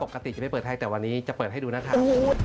ปกติจะไม่เปิดให้แต่วันนี้จะเปิดให้ดูนะครับ